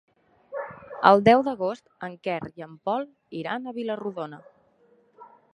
El deu d'agost en Quer i en Pol iran a Vila-rodona.